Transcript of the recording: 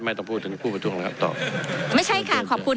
ไม่ต้องพูดถึงผู้ประชุมนะครับตอบไม่ใช่ค่ะขอบคุณ